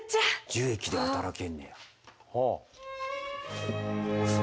樹液で働けんねや。